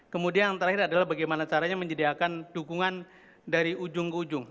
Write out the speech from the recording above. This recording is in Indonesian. kemudian yang terakhir adalah bagaimana caranya menyediakan dukungan dari ujung ke ujung